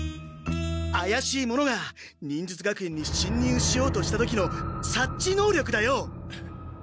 あやしいものが忍術学園に侵入しようとした時の察知能力だよ！